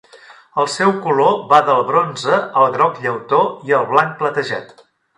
El seu color va del bronze al groc llautó i al blanc platejat.